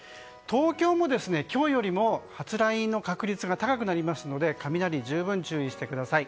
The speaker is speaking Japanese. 東京も今日よりも発雷の確率が高くなりますので雷、十分注意してください。